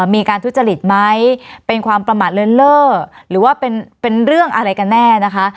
มีการทุจริตไหมเป็นความประมาทเลินเล่อหรือว่าเป็นเรื่องอะไรกันแน่นะคะ